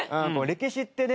歴史ってね